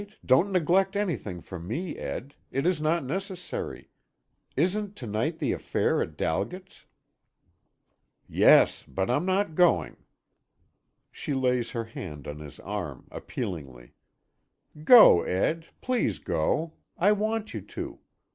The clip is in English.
don't neglect anything for me, Ed it is not necessary. Isn't to night the affair at Dalget's?" "Yes, but I'm not going." She lays her hand on his arm appealingly: "Go, Ed. Please go. I want you to.